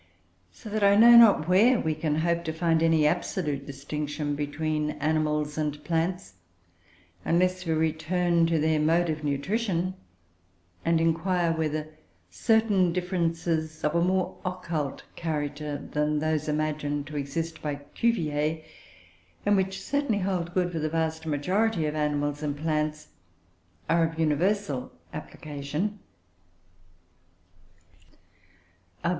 So that I know not where we can hope to find any absolute distinction between animals and plants, unless we return to their mode of nutrition, and inquire whether certain differences of a more occult character than those imagined to exist by Cuvier, and which certainly hold good for the vast majority of animals and plants, are of universal application.